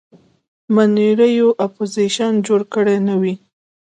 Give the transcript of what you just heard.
منورینو اپوزیشن جوړ کړی نه وي.